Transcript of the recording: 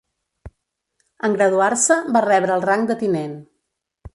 En graduar-se va rebre el rang de tinent.